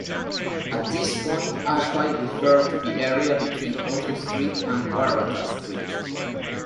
At this point, Ashby referred to the area between Autumn Street and Waratah Street.